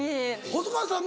細川さん